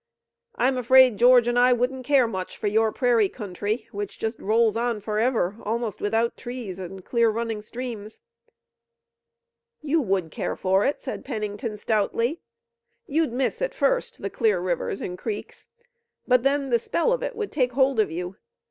"I'm afraid George and I wouldn't care much for your prairie country which just rolls on forever, almost without trees and clear running streams." "You would care for it," said Pennington stoutly. "You'd miss at first the clear rivers and creeks, but then the spell of it would take hold of you.